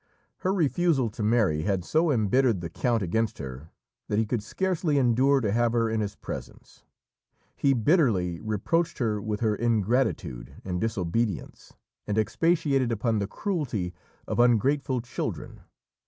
Her refusal to marry had so embittered the count against her that he could scarcely endure to have her in his presence. He bitterly reproached her with her ingratitude and disobedience, and expatiated upon the cruelty of ungrateful children.